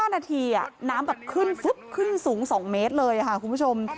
๕นาทีน้ำแบบขึ้นฟึ๊บขึ้นสูง๒เมตรเลยค่ะคุณผู้ชม